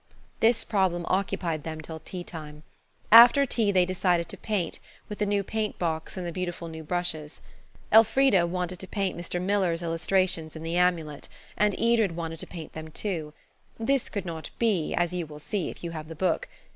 This problem occupied them till tea time. After tea they decided to paint–with the new paint box and the beautiful new brushes. Elfrida wanted to paint Mr. Millar's illustrations in "The Amulet," and Edred wanted to paint them, too. This could not be, as you will see if you have the book.